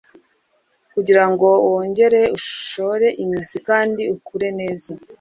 Kugirango wongere ushore imizi kandi ukure neza